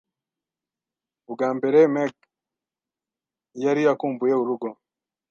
Ubwa mbere, Meg yari akumbuye urugo.